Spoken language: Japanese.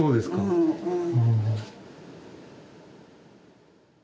うんうん。